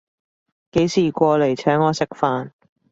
幾時過來請我食飯